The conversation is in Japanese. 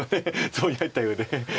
ツボに入ったようで。